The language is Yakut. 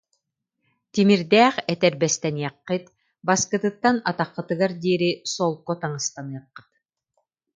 Тимирдээх этэрбэстэниэххит, баскытыттан атаххытыгар диэри солко таҥастаныаххыт